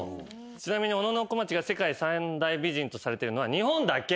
ちなみに小野小町が世界三大美人とされてるのは日本だけ。